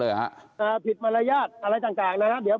ก็คือเอาคลิปมาปล่อยก็ปล่อยไปแต่อย่ามาใส่ร้ายผม